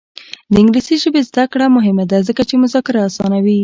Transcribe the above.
د انګلیسي ژبې زده کړه مهمه ده ځکه چې مذاکره اسانوي.